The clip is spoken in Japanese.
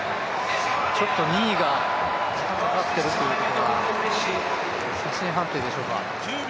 ちょっと２位が時間がかかっているということは写真判定でしょうか。